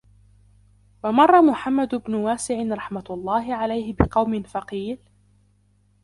وَمَرَّ مُحَمَّدُ بْنُ وَاسِعٍ رَحْمَةُ اللَّهِ عَلَيْهِ بِقَوْمٍ فَقِيلَ